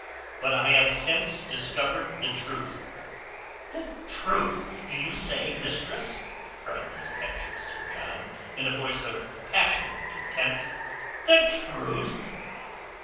But I have since discovered the truth...." "The truth, do you say, mistress?" cried the impetuous Sir John in a voice of passionate contempt. "The truth...."